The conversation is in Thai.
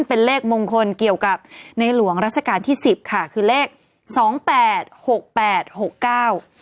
เป็นเลขมงคลเกี่ยวกับในหลวงราชการที่สิบค่ะคือเลขสองแปดหกแปดหกเก้า